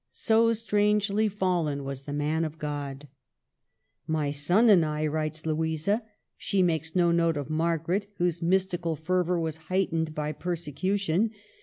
So strangely fallen was the Man of God. My son and I," writes Louisa. She makes no note of Margaret, whose mystical fervor was heightened by persecution.